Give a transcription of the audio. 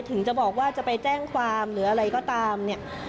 ถึงจะบอกว่าจะไปแจ้งความหรืออะไรก็ตามเนี่ย